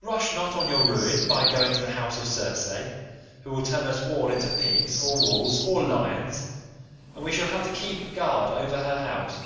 Rush not on your ruin by going to the house of Circe, who will turn us all into pigs or wolves or lions, and we shall have to keep guard over her house.